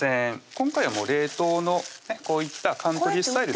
今回は冷凍のこういったカントリースタイルですね